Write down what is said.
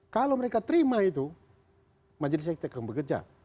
kalau mereka terima itu majelis sektek akan bekerja